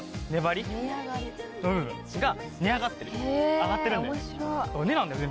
上がってるんだよね。